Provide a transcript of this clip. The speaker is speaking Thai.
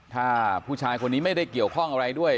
ถ้าผู้ชายคนนี้ไม่ได้เกี่ยวข้องอะไรด้วย